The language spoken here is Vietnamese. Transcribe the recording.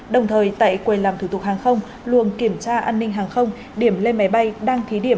đồng thời tại quầy làm thủ tục hàng không luồng kiểm tra an ninh hàng không điểm lên máy bay đang thí điểm